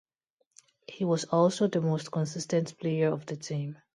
He was also the most consistent player of the team.